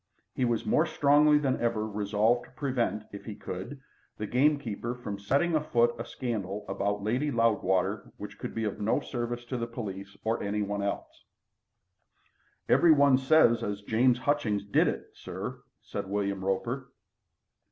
He was more strongly than ever resolved to prevent, if he could, the gamekeeper from setting afoot a scandal about Lady Loudwater which could be of no service to the police or any one else. "Everybody says as James Hutchings did it, sir," said William Roper.